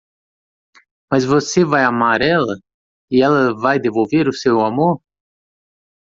Mas você vai amar ela? e ela vai devolver o seu amor.